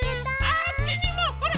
ああっちにもほら！